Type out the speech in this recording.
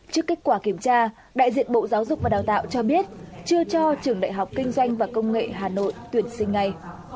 trước kết quả kiểm tra đại diện bộ giáo dục và đào tạo cho biết chưa cho trường đại học kinh doanh và công nghệ hà nội tuyển sinh ngay